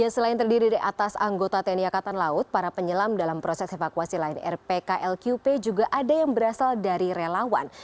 selain terdiri dari atas anggota tni angkatan laut para penyelam dalam proses evakuasi lain rpklqp juga ada yang berasal dari relawan